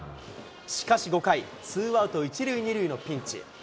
しかし５回、ツーアウト１塁２塁のピンチ。